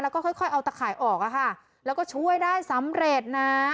แล้วก็ค่อยค่อยเอาตะข่ายออกอะค่ะแล้วก็ช่วยได้สำเร็จนะ